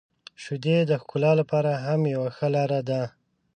• شیدې د ښکلا لپاره هم یو ښه لاره ده.